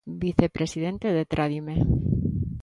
Vicepresidente de Tradime.